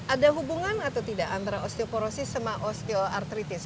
ada hubungan atau tidak antara osteoporosis sama osteoartritis